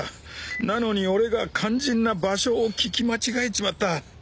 なのに俺が肝心な場所を聞き間違えちまった。